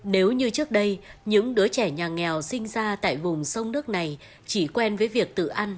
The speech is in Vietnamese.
nếu như trước đây những đứa trẻ nhà nghèo sinh ra tại vùng sông nước này chỉ quen với việc tự ăn